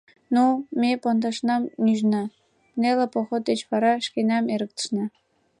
Ну, ме пондашнам нӱжна, неле поход деч вара шкенам эрыктышна.